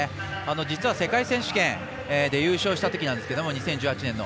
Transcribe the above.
実は世界選手権で優勝したときなんですけど２０１８年の。